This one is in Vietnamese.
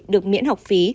được miễn học phí